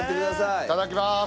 いただきます。